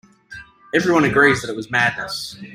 Everyone agrees that it was madness.